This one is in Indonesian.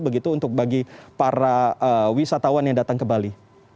begitu untuk bagi para wisatawan yang datang ke bali